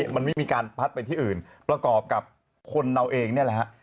มันไม่มีการพัดไปที่อื่นประกอบกับคนเราเองเนี่ยแหละฮะ